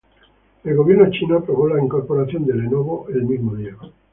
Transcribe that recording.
El gobierno chino aprobó la incorporación de Lenovo el mismo día.